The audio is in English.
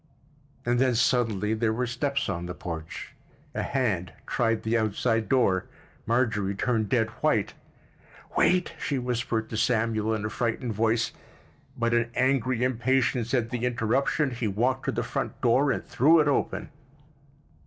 And then suddenly there were steps on the porch—a hand tried the outside door. Marjorie turned dead white. "Wait!" she whispered to Samuel, in a frightened voice, but in angry impatience at the interruption he walked to the front door and threw it open.